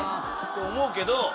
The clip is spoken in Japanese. て思うけど。